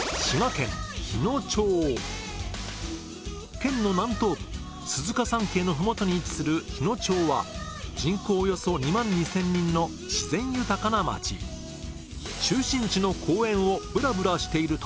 県の南東部鈴鹿山系の麓に位置する日野町は人口およそ２万２０００人の自然豊かな町中心地の公園をブラブラしていると